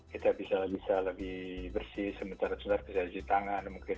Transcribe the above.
kita bisa lebih bersih sementara bisa bersih tangan mungkin